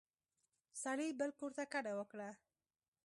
سړي بل کور ته کډه وکړه.